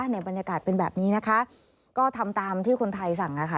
ในบรรยากาศเป็นแบบนี้นะคะก็ทำตามที่คนไทยสั่งค่ะ